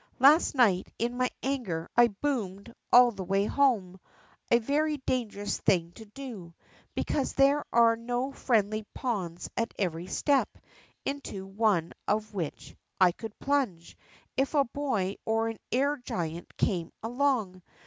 Last night, in my anger, I boomed all the way home, a very dangerous thing to do, because there are no friendly ponds at every step into one of which I could plunge if a hoy or an air giant came along.